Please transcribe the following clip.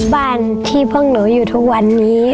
บ้านที่พวกหนูอยู่ทุกวันนี้